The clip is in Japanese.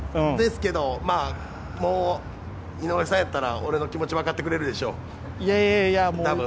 ですけど、もう井上さんやったら、俺の気持ち分かってくれるでしょう。